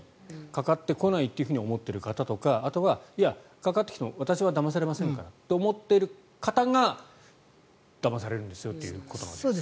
かかってこないと思っている方とかあとは、いやかかってきても私はだまされませんからと思っている方がだまされるんですよということですね。